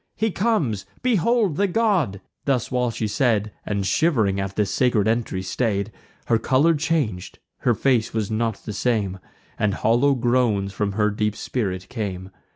He comes; behold the god!" Thus while she said, (And shiv'ring at the sacred entry stay'd,) Her colour chang'd; her face was not the same, And hollow groans from her deep spirit came.